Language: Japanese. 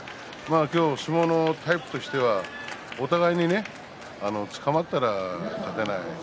今日、相撲のタイプとしてはお互いにつかまったら勝てない。